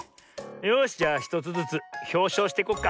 よしじゃあ１つずつひょうしょうしていこっか。